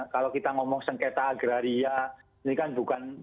kalau kita ngomong sengketa agraria ini kan bukan